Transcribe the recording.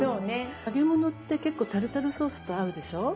揚げ物って結構タルタルソースと合うでしょ？